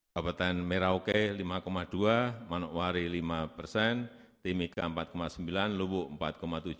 kabupaten merauke lima dua persen manokwari lima persen timiga empat sembilan persen lubuk empat tujuh persen